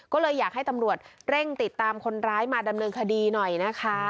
ก็เลยอยากให้ตำรวจเร่งติดตามคนร้ายมาดำเนินคดีหน่อยนะคะ